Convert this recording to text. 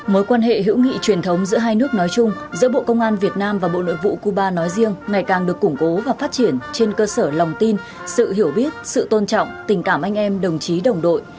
mối quan hệ hữu nghị truyền thống giữa hai nước nói chung giữa bộ công an việt nam và bộ nội vụ cuba nói riêng ngày càng được củng cố và phát triển trên cơ sở lòng tin sự hiểu biết sự tôn trọng tình cảm anh em đồng chí đồng đội